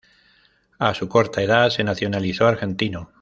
A su corta edad se nacionalizó argentino.